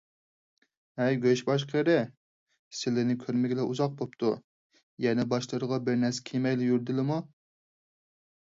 ھەي گۆشباش قېرى، سىلىنى كۆرمىگىلى ئۇزاق بوپتۇ. يەنە باشلىرىغا بىرنەرسە كىيمەيلا يۈردىلىمۇ؟